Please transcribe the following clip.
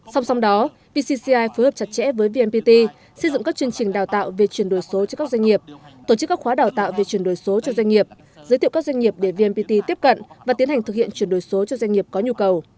sau đó vcci phối hợp chặt chẽ với vnpt xây dựng các chương trình đào tạo về chuyển đổi số cho các doanh nghiệp tổ chức các khóa đào tạo về chuyển đổi số cho doanh nghiệp giới thiệu các doanh nghiệp để vnpt tiếp cận và tiến hành thực hiện chuyển đổi số cho doanh nghiệp có nhu cầu